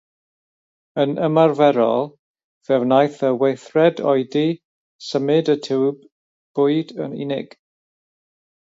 Yn ymarferol, fe wnaeth y weithred oedi symud y tiwb bwyd yn unig.